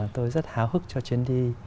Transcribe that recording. tôi rất háo hức cho chuyến đi